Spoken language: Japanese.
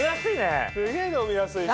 すげぇ飲みやすいし。